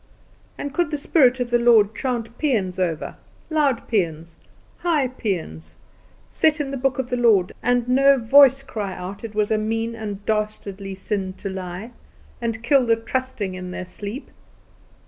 and could the Spirit of the Lord chant paeans over her, loud paeans, high paeans, set in the book of the Lord, and no voice cry out it was a mean and dastardly sin to lie, and kill the trusting in their sleep?